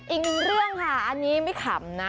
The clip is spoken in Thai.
อีกหนึ่งเรื่องค่ะอันนี้ไม่ขำนะ